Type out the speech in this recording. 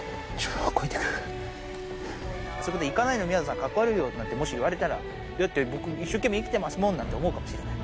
あそこでみやぞん行かないの、みやぞん、かっこ悪いよって、もし言われたら、だって僕、一生懸命生きてますもんなんて思うかもしれない。